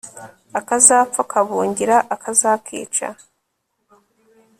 akazapfa kabungira akazakica